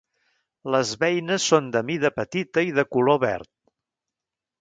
Les beines són de mida petita i de color verd.